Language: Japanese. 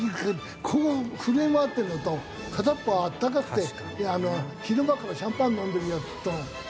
こう震えまわってるのと片っ方は暖かくて昼間からシャンパン飲んでるヤツとこう。